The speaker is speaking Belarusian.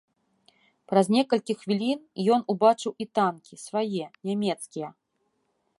Праз некалькі хвілін ён убачыў і танкі, свае, нямецкія.